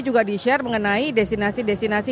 juga di share mengenai destinasi destinasi